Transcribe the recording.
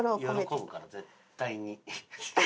喜ぶから絶対に。